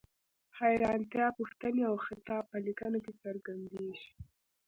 حیرانتیا، پوښتنې او خطاب په لیکنه کې څرګندیږي.